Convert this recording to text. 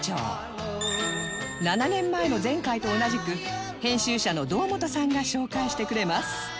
７年前の前回と同じく編集者の堂本さんが紹介してくれます